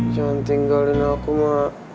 jangan tinggalin aku ma